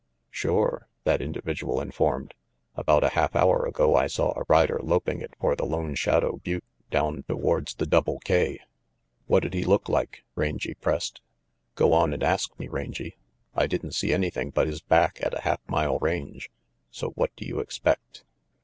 "Sure," that individual informed. "About a half hour ago I saw a rider loping it for the Lone Shadow butte down towards the Double K. " "What'd he look like?" Rangy pressed. " Go on and ask me, Rangy. I didn't see anything but his back at a half mile range, so what do you expect?"